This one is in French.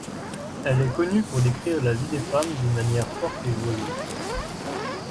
Elle est connue pour décrire la vie des femmes d'une manière forte et joyeuse.